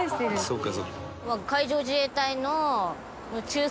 そうか。